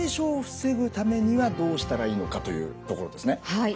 はい。